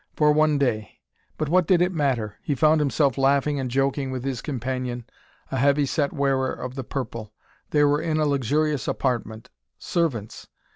For one day. But what did it matter? He found himself laughing and joking with his companion, a heavy set wearer of the purple. They were in a luxurious apartment. Servants!